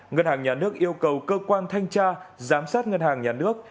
ngân hàng nhà nước yêu cầu cơ quan thanh tra giám sát ngân hàng nhà nước